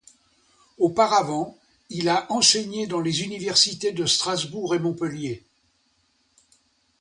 Auparavant, il a enseigné dans les universités de Strasbourg et Montpellier.